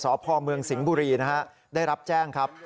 สพเมืองสิงห์บุรีนะฮะได้รับแจ้งครับ